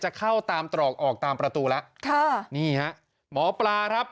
เข้าตามตรอกออกตามประตูแล้วค่ะนี่ฮะหมอปลาครับ